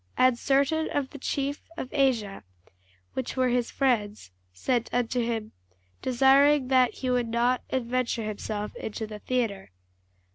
And certain of the chief of Asia, which were his friends, sent unto him, desiring him that he would not adventure himself into the theatre.